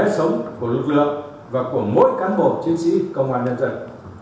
nhiềm vui hạnh phúc của nhân dân là lẽ sống của lực lượng và của mỗi cán bộ chiến sĩ công an nhân dân